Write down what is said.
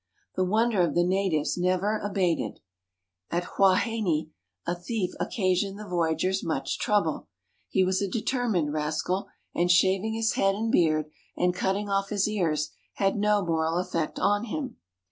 The wonder of the natives never abated. At Huaheine a thief occasioned the voyagers much trouble. He was a determined rascal, and shaving his head and beard, and cutting off his ears, had no moral effect on him.